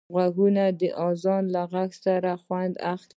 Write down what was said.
غوږونه د اذان له غږه خوند اخلي